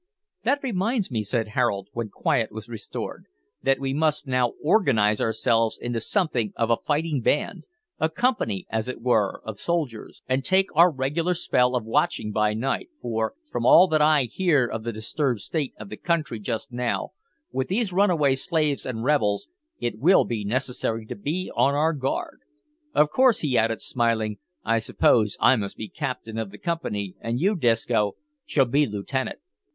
"That reminds me," said Harold, when quiet was restored, "that we must now organise ourselves into something of a fighting band a company, as it were, of soldiers, and take our regular spell of watching by night, for, from all that I hear of the disturbed state of the country just now, with these runaway slaves and rebels, it will be necessary to be on our guard. Of course," he added, smiling, "I suppose I must be captain of the company, and you, Disco, shall be lieutenant."